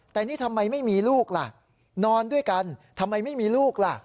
แต่นี่ทำไมไม่มีลูกล่ะนอนด้วยกันทำไมไม่มีลูกล่ะ